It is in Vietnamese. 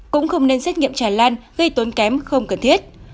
cũng không nên xét nghiệm tràn lan gây tốn kém không cần thiết